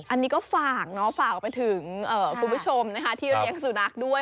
อันนี้ก็ฝากเนอะฝากไปถึงคุณผู้ชมนะคะที่เลี้ยงสุนัขด้วย